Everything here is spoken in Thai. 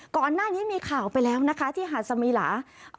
ก่อนหน้านี้มีข่าวไปแล้วนะคะที่หาดสมีหลา